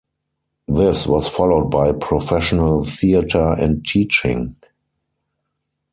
This was followed by professional theatre and teaching.